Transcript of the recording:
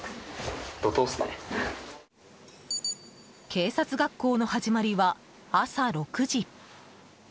警察学校の始まりは朝６時。